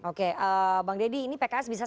oke bang deddy ini pks bisa